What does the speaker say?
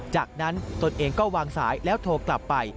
จากนั้นตนเองก็วางสายแล้วโทรกลับไป